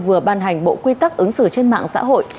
vừa ban hành bộ quy tắc ứng xử trên mạng xã hội